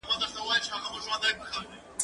زه هره ورځ لوبه کوم،